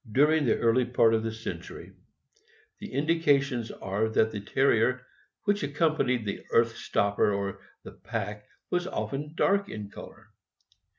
During the early part of the century, the indications are that the Terrier which accompanied the earth stopper or the pack was often dark in color.